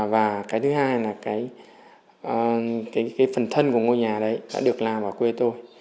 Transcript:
và cái thứ hai là cái phần thân của ngôi nhà đấy đã được làm ở quê tôi